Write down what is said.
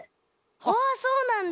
あっそうなんだ。